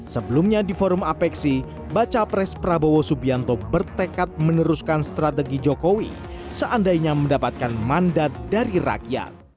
sebelumnya di forum apeksi baca pres prabowo subianto bertekad meneruskan strategi jokowi seandainya mendapatkan mandat dari rakyat